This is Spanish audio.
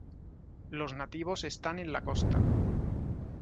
Los nativos están en la costa".